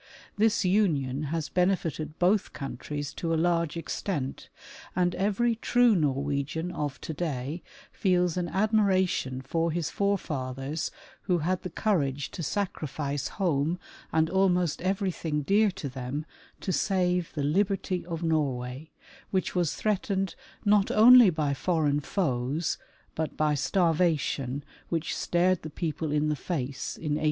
This union has benefited both countries to a large extent, and every true Norwegian of to da}^ feels an admiration for his forefathers who had the courage to sacrifice home and almost everything dear to them to save the liberty of Norway, which was threatened not only by foreign foes, but by starvation which stared the people in the face in 1814.